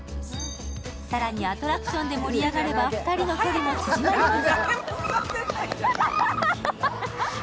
更にアトラクションで盛り上がれば２人の距離も縮まります。